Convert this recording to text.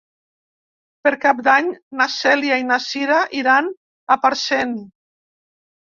Per Cap d'Any na Cèlia i na Cira iran a Parcent.